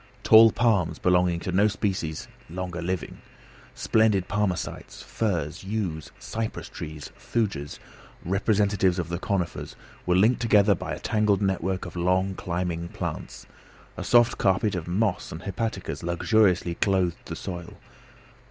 Tall palms, belonging to species no longer living, splendid palmacites, firs, yews, cypress trees, thujas, representatives of the conifers, were linked together by a tangled network of long climbing plants. A soft carpet of moss and hepaticas luxuriously clothed the soil.